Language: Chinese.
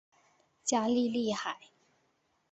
加利利海。